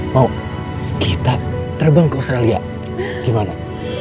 mau kita terbang ke australia gimana